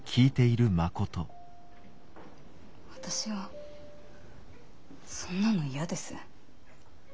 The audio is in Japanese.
私はそんなの嫌です。